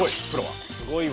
すごいわ。